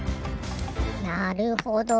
なるほど。